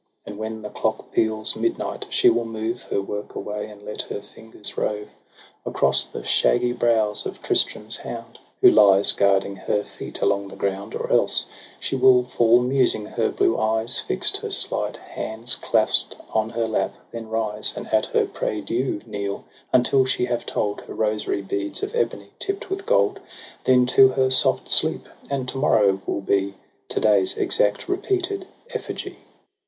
And when the clock peals midnight, she will move Her work away, and let her fingers rove TRISTRAM AND ISEULT. 223 Across the shaggy brows of Tristram's hound Who lies, guarding her feet, along the ground; Or else she will fall musing, her blue eyes Fix'd, her slight hands clasp'd on her lap; then rise, And at her prie dieu kneel, until she have told Her rosary beads of ebony tipp'd with gold, Then to her soft sleep — and to morrow '11 be To day's exact repeated Q^^y.